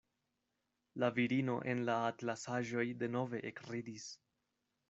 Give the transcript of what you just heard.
La virino en la atlasaĵoj denove ekridis.